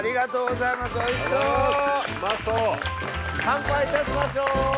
乾杯いたしましょう。